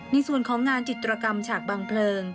ในส่วนของงานจิตรกรรมฉากบางเพลิง